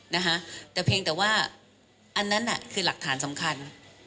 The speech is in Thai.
นะคะแต่เพียงแต่ว่าอันนั้นน่ะคือหลักฐานสำคัญ